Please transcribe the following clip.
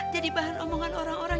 jadi bahan omongan orang orang